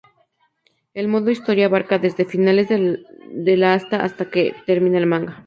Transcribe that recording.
El modo historia abarca desde finales de la hasta que termina el manga.